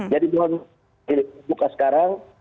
jadi tuhan kita buka sekarang